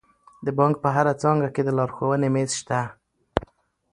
د بانک په هره څانګه کې د لارښوونې میز شته.